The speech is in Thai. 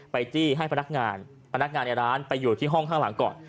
จี้ให้พนักงานพนักงานในร้านไปอยู่ที่ห้องข้างหลังก่อน